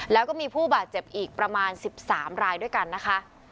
แล้วก็มีผู้บาดเจ็บอีกประมาณ๑๓รายด้วยกันนะคะ